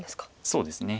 そうですね。